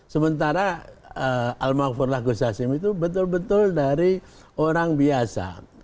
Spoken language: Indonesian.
sementara al mahfudlah gus hasim itu betul betul dari orang biasa